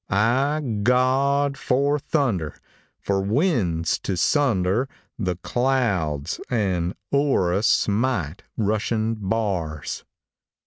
Ah, God! for thunder! for winds to sunder The clouds and o'er us smite rushing bars!